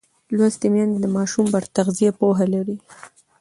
لوستې میندې د ماشوم پر تغذیه پوهه لري.